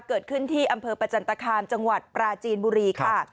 เกิดขึ้นที่อำเภอประจันตคามจังหวัดปราจีนบุรีค่ะ